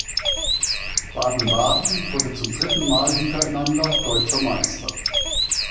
Baden-Baden wurde zum dritten Mal hintereinander Deutscher Meister.